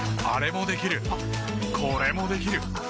あれもできるこれもできる。